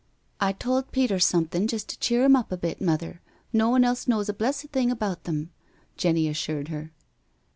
" I told Peter something just to cheer *im up a bit. Mother — no one else knows a blessed thing about them," Jenny assured her.